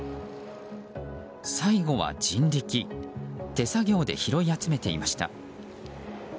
最後は人力手作業で拾い集めていました。